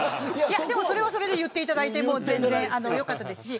それはそれで言っていただいてよかったですし。